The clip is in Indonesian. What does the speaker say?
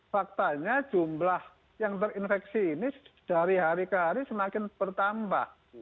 faktanya jumlah yang terinfeksi ini dari hari ke hari semakin bertambah